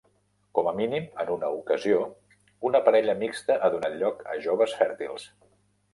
Com a mínim en una ocasió una parella mixta ha donat lloc a joves fèrtils.